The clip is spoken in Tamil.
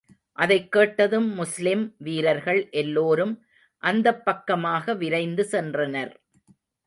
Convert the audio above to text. அதைக் கேட்டதும், முஸ்லிம் வீரர்கள் எல்லோரும் அந்தப் பக்கமாக விரைந்து சென்றனர்.